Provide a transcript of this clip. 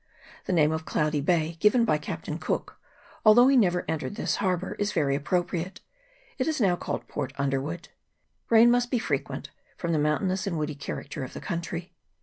The name of Cloudy Bay, given by Captain Cook, although he never entered this harbour, is very appropriate : it is now called Port Underwood. Rain must be frequent, from the mountainous and woody character of the country.